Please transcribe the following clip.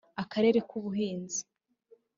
Akarere k Ubuhinzi